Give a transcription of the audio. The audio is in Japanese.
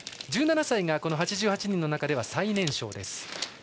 １７歳が８８人の中では最年少です。